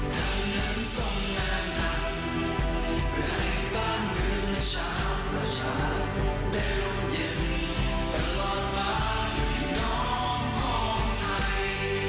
ท่านคือพระราชาในรุ่นของภูมิประชาชาไทยภูมิสฤทธิ์ในหัวใจและรอดมา